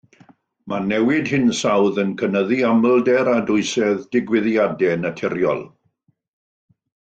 Mae newid hinsawdd yn cynyddu amlder a dwysedd digwyddiadau naturiol.